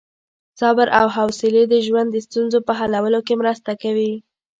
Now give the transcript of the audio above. صبر او حوصلې د ژوند د ستونزو په حلولو کې مرسته کوي.